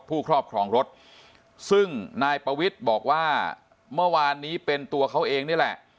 ครอบครองรถซึ่งนายปวิทย์บอกว่าเมื่อวานนี้เป็นตัวเขาเองนี่แหละ